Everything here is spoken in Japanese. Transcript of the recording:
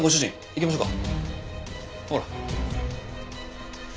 行きましょう。